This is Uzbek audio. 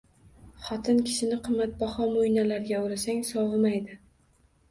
Xotin kishini qimmatbaho mo’ynalarga o’rasang – sovimaydi.